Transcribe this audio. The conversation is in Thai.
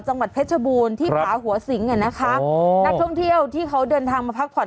จังหวัดเพชรบูรณ์ที่ผาหัวสิงอ่ะนะคะโอ้นักท่องเที่ยวที่เขาเดินทางมาพักผ่อน